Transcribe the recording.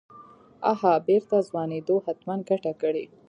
اها بېرته ځوانېدو حتمن ګته کړې.